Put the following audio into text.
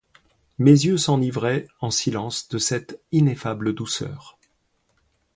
Mes yeux s’enivraient en silence De cette ineffable douceur.